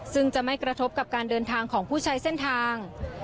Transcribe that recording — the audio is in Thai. ซึ่งจะไม่กระทบกับการเดินทางของผู้ใช้เส้นทาง